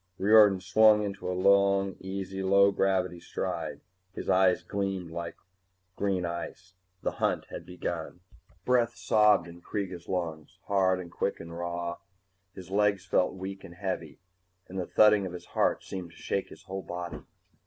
Riordan swung into a long, easy low gravity stride. His eyes gleamed like green ice. The hunt was begun! Breath sobbed in Kreega's lungs, hard and quick and raw. His legs felt weak and heavy, and the thudding of his heart seemed to shake his whole body.